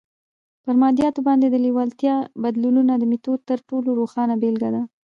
پر مادياتو باندې د لېوالتیا بدلولو د ميتود تر ټولو روښانه بېلګه ده.